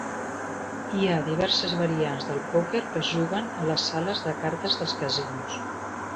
Hi ha diverses variants del pòquer que es juguen a les sales de cartes dels casinos.